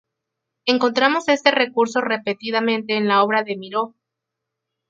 Encontramos este recurso repetidamente en la obra de Miró.